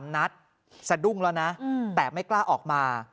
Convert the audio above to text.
นัดสะดุ้งแล้วนะแต่ไม่กล้าออกมา